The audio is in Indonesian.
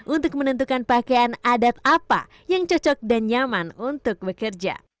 untuk menentukan pakaian adat apa yang cocok dan nyaman untuk bekerja